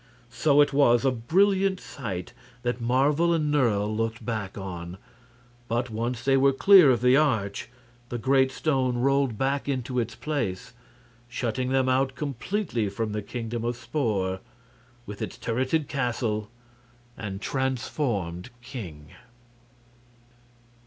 So it was a brilliant sight that Marvel and Nerle looked back on; but once they were clear of the arch, the great stone rolled back into its place, shutting them out completely from the Kingdom of Spor, with its turreted castle and transformed king.